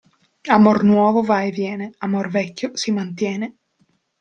Amor nuovo va e viene, amor vecchio si mantiene.